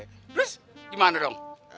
terus gimana dong